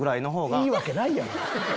いいわけないやん！